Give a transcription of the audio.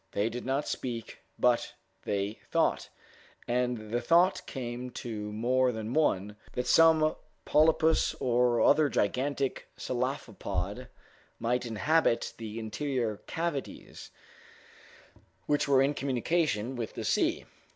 They did not speak, but they thought; and the thought came to more than one, that some polypus or other gigantic cephalopod might inhabit the interior cavities, which were in communication with the sea.